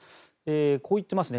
こう言っていますね。